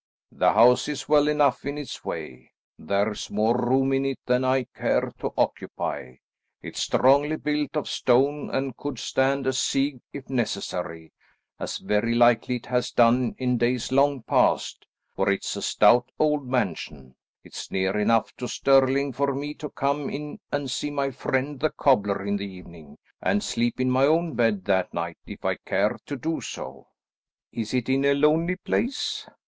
"The house is well enough in its way; there's more room in it than I care to occupy. It's strongly built of stone, and could stand a siege if necessary, as very likely it has done in days long past, for it's a stout old mansion. It's near enough to Stirling for me to come in and see my friend the cobbler in the evening, and sleep in my own bed that night, if I care to do so." "Is it in a lonely place?"